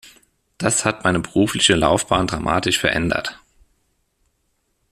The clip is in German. Das hat meine berufliche Laufbahn dramatisch verändert.